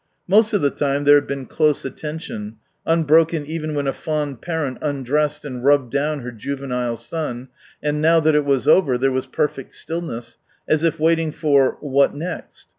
Most of the time there had been close attention, unbroken even when a fond parent undressed and rubbed down her juvenile son, and now that it was over, there was perfect stillness, as if waiting for " what next